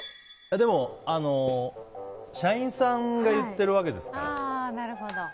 でも、社員さんが言ってるわけですから。